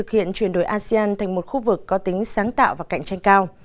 chuyển đổi asean thành một khu vực có tính sáng tạo và cạnh tranh cao